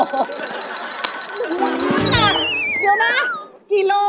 หนึ่งนักนักน่ะ